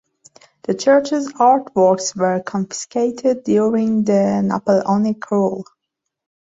The churches artworks were confiscated during the Napoleonic rule.